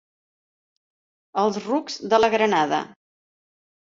Els rucs de la Granada.